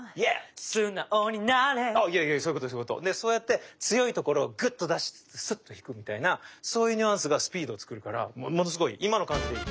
でそうやって強いところをグッと出しつつスッと引くみたいなそういうニュアンスがスピードを作るからものすごい今の感じでいい。